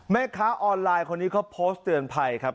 แม่ค้าออนไลน์คนนี้เขาโพสต์เตือนภัยครับ